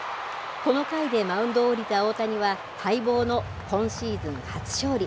この回でマウンドを降りた大谷は、待望の今シーズン初勝利。